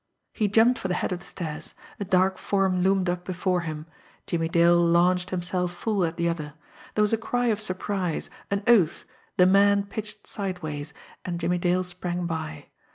He jumped for the head of the stairs a dark form loomed up before him. Jimmie Dale launched himself full at the other. There was a cry of surprise, an oath, the man pitched sideways, and Jimmie Dale sprang by.